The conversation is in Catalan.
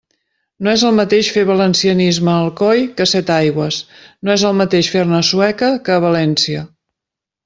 No és el mateix fer valencianisme a Alcoi que a Setaigües, no és el mateix fer-ne a Sueca que a València.